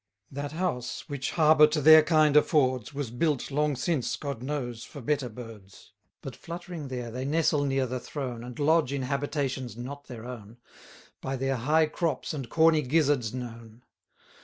That house which harbour to their kind affords, Was built, long since, God knows for better birds; But fluttering there, they nestle near the throne, And lodge in habitations not their own, By their high crops and corny gizzards known.